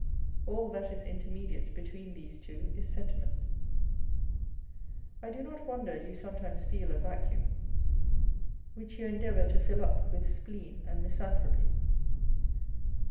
All that is intermediate between these two is sentiment : I do not wonder you sometimes feel a vacuum, which you endeavour to fill up with spleen and misanthropy.